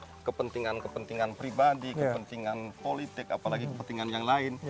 kepentingan kepentingan pribadi kepentingan politik apalagi kepentingan yang lain